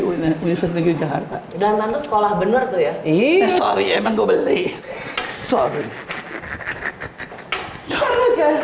universitas negeri jakarta udah nanta sekolah bener tuh ya iya sorry emang gue beli sorry